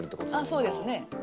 あっそうですね。